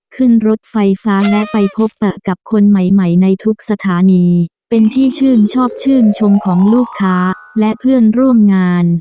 ขึ้นรถไฟฟ้าและไปพบปะกับคนใหม่ใหม่ในทุกสถานีเป็นที่ชื่นชอบชื่นชมของลูกค้าและเพื่อนร่วมงาน